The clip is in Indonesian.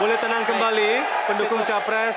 boleh tenang kembali pendukung capres